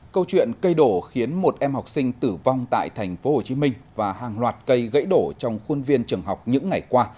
câu chuyện cây đổ khiến một em học sinh tử vong tại tp hcm và hàng loạt cây gãy đổ trong khuôn viên trường học những ngày qua